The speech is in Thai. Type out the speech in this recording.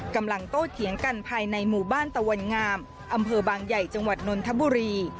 กำลังโตเถียงกันภายในหมู่บ้านตะวันงามอำเภอบางใหญ่จังหวัดนนทบุรี